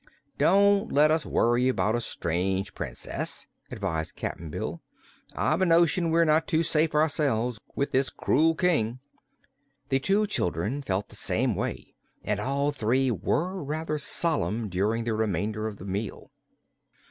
"Don't let us worry about a strange Princess," advised Cap'n Bill. "I've a notion we're not too safe, ourselves, with this cruel King." The two children felt the same way and all three were rather solemn during the remainder of the meal.